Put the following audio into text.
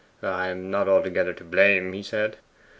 'I am not altogether to blame,' he said.